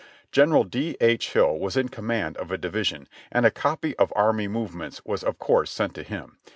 General D. H. Hill was in command of a division, and a copy of army movements was of course sent to him.